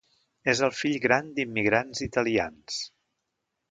És el fill gran d'immigrants italians.